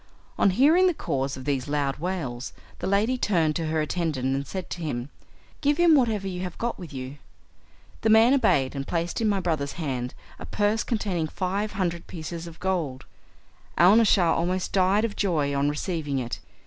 On hearing the cause of these loud wails the lady turned to her attendant and said to him, "Give him whatever you have got with you." The man obeyed, and placed in my brother's hands a purse containing five hundred pieces of gold. Alnaschar almost died of joy on receiving it.